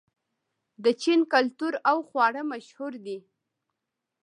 د چین کلتور او خواړه مشهور دي.